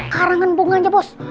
karangan bunganya bos